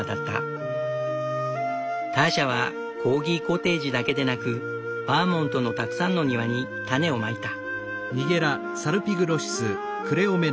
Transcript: ターシャはコーギコテージだけでなくバーモントのたくさんの庭に種をまいた。